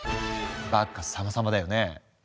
バッカスさまさまだよね。